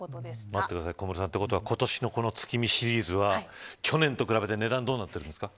待ってください、小室さんということは今年の月見シリーズは去年と比べて値段どうなってるんですか。